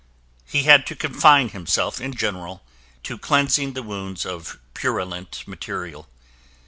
He had to confine himself in general to cleansing the wounds of purulent material.